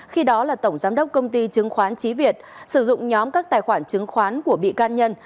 khi đó là tổng giám đốc công ty chứng khoán trí việt sử dụng nhóm các tài khoản chứng khoán của bị can nhân